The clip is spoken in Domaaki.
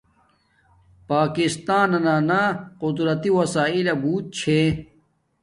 پاکستانان قزرتی وسیلہ بوت چھے